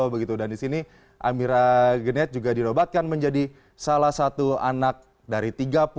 begitu dan di sini amira genet juga dinobatkan menjadi salah satu anak dari tiga puluh